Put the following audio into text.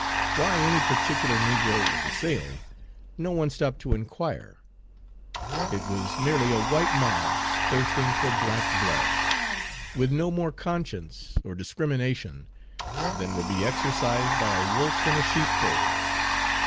Why any particular negro was assailed, no one stopped to inquire; it was merely a white mob thirsting for black blood, with no more conscience or discrimination than would be exercised by a wolf in a sheepfold.